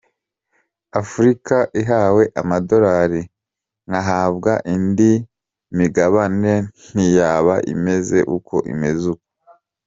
Afurika ihawe amadolari nkahabwa indi migabane ntiyaba imeze uko imeze uku